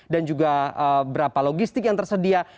dan juga berapa logistik yang tersedia